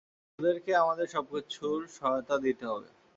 ওদেরকে আমাদের সবকিছুর সহায়তা দিতে হবে।